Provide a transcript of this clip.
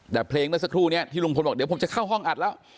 แต่เพลงเมื่อสักครู่นี้ที่ลุงพลบอกเดี๋ยวผมจะเข้าห้องอัดแล้ว